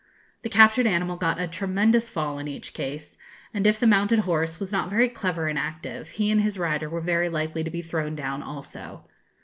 The captured animal got a tremendous fall in each case, and if the mounted horse was not very clever and active, he and his rider were very likely to be thrown down also.